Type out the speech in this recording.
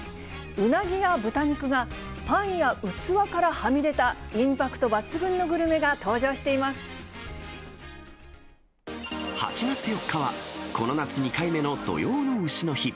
うなぎや豚肉がパンや器からはみ出たインパクト抜群のグルメが登８月４日は、この夏２回目の土用のうしの日。